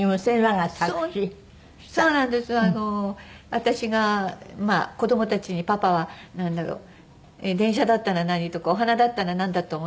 私が子供たちに「パパは」なんだろう？「電車だったら何？」とか「お花だったらなんだと思う？」